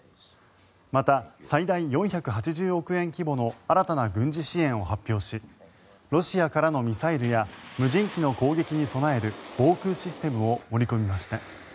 また、最大４８０億円規模の新たな軍事支援を発表しロシアからのミサイルや無人機の攻撃に備える防空システムを盛り込みました。